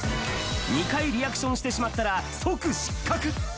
２回リアクションしてしまったら、即失格。